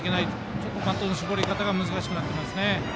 ちょっと的の絞り方が難しくなってますね。